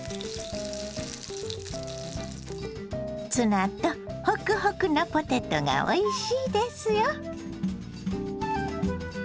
ツナとホクホクのポテトがおいしいですよ。